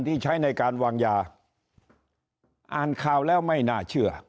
ที่ใช้ในการวางยาอ่านข่าวแล้วไม่น่าเชื่อ